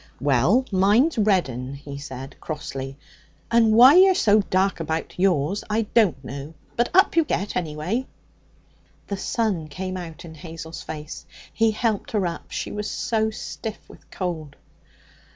'Well, mine's Reddin,' he said crossly; 'and why you're so dark about yours I don't know, but up you get, anyway.' The sun came out in Hazel's face. He helped her up, she was so stiff with cold.